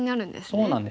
そうなんです。